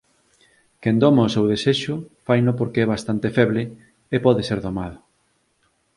Quen doma o seu desexo faino porque é bastante feble e pode ser domado.